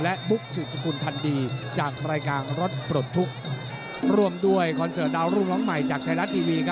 และบุ๊กสืบสกุลทันดีจากรายการรถปลดทุกข์ร่วมด้วยคอนเสิร์ตดาวรุ่งน้องใหม่จากไทยรัฐทีวี